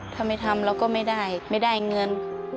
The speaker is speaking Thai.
ถ้าไม่ทำเราก็ไม่ได้ไม่ได้เงิน